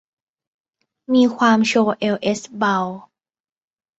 มีความโชว์เอวเอสเบา